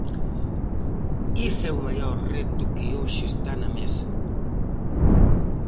Ese é o maior reto que hoxe está na mesa.